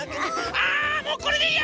あもうこれでいいや！